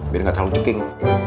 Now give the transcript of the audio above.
biar gak terlalu cuking